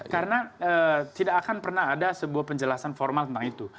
karena tidak akan pernah ada sebuah penjelasan formal tentang itu